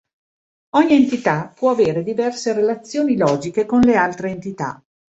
Ogni entità può avere diverse relazioni logiche con le altre entità.